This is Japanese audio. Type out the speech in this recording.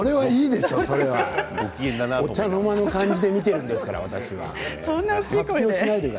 お茶の間の感じで見ているんだから、私は。